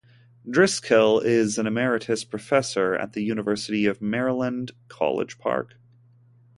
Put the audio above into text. Driskell is an emeritus professor at the University of Maryland, College Park.